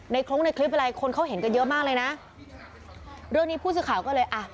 คล้งในคลิปอะไรคนเขาเห็นกันเยอะมากเลยนะเรื่องนี้ผู้สื่อข่าวก็เลยอ่ะ